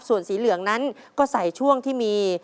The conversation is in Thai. ส่วนสีเหลืองนั้นก็ใส่ช่วงที่มี